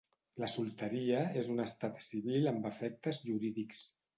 La solteria és un estat civil amb efectes jurídics.